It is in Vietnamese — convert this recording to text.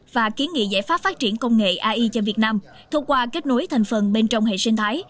và kiến nghị giải pháp phát triển công nghệ ai cho việt nam thông qua kết nối thành phần bên trong hệ sinh thái